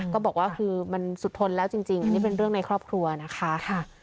ก็บอกว่าคือมันสุดทนแล้วจริงอันนี้เป็นเรื่องในครอบครัวนะคะ